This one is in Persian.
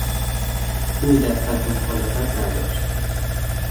او دست از مخالفت برداشت.